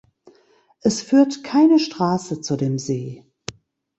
Es führt keine Straße zu dem See.